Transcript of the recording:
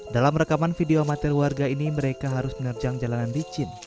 dalam rekaman video amatir warga ini mereka harus menerjang jalanan licin